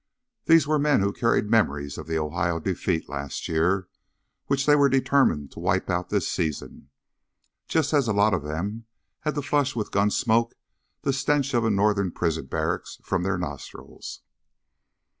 These were men who carried memories of the Ohio defeat last year which they were determined to wipe out this season, just as a lot of them had to flush with gunsmoke the stench of a Northern prison barracks from their nostrils.